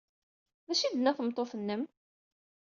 D acu ay d-tenna tmeṭṭut-nnem?